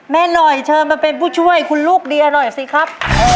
แม่หน่อยเชิญมาเป็นผู้ช่วยคุณลูกเดียหน่อยสิครับ